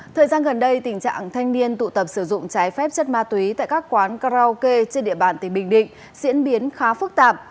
thời gian gần đây tình trạng thanh niên tụ tập sử dụng trái phép chất ma túy tại các quán karaoke trên địa bàn tỉnh bình định diễn biến khá phức tạp